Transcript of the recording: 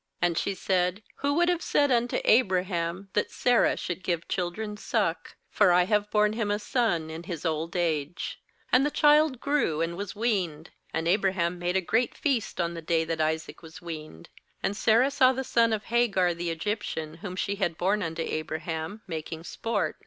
7And she said: 'Who would have said unto Abraham, that Sarah should give children suck? for I have borne him a son in his old age.' 8And the child grew, and was weaned. And Abraham made a great feast on the day that Isaac was weaned. 9And Sarah saw the son of Hagar the Egyptian, whom she had borne unto Abraham, making sport.